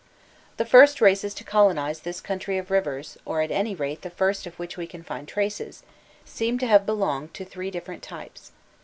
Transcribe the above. The first races to colonize this country of rivers, or at any rate the first of which we can find traces, seem to have belonged to three different types.